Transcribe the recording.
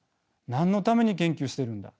何のために研究してるんだ？